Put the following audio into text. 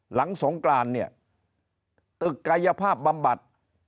หลังสงกรานเนี่ยตึกกายภาพบำบัด